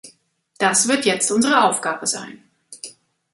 Das wird jetzt unsere Aufgabe sein.